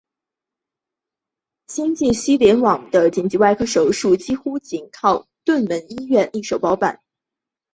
新界西联网的紧急外科手术几乎仅靠屯门医院一手包办。